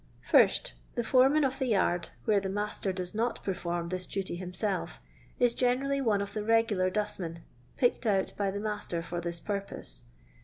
1st. The foreman of the yard, where the master does not perform this duty himself, is generally one of the reguUur dustmen picked out by the master, for this purpose.